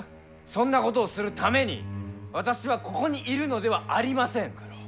そんなことをするために私はここにいるのではありません！